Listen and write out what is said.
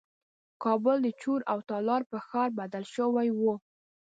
کابل د چور او تالان په ښار بدل شوی وو.